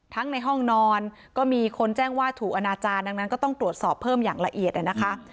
ในห้องนอนก็มีคนแจ้งว่าถูกอนาจารย์ดังนั้นก็ต้องตรวจสอบเพิ่มอย่างละเอียดนะคะ